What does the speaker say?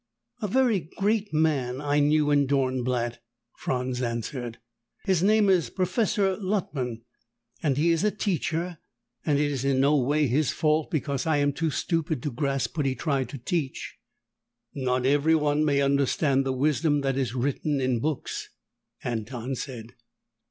"A very great man I knew in Dornblatt," Franz answered. "His name is Professor Luttman, and he is a teacher, and it is in no way his fault because I am too stupid to grasp what he tried to teach." "Not everyone may understand the wisdom that is written in books," Anton said.